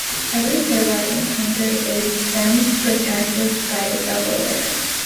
Every pairwise encounter is then protected by a double layer.